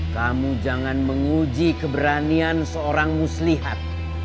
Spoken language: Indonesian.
kamu jangan menguji keberanian seorang muslihat